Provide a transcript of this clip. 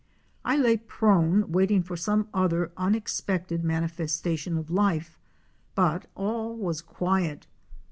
I lay prone, waiting for some other unexpected manifesta tion of life, but all was quiet.